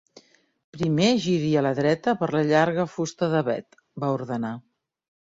"Primer giri a la dreta per la llarga fusta d'avet", va ordenar.